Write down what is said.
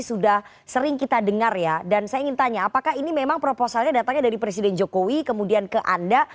sudah sering kita dengar ya dan saya ingin tanya apakah ini memang proposalnya datangnya dari presiden jokowi kemudian ke anda